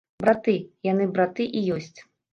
Браты, яны браты і ёсць.